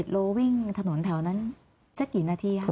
๑๗โลวิ่งถนนแถวนั้นจะกี่นาทีครับ